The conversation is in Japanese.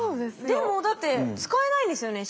でもだって使えないんですよね。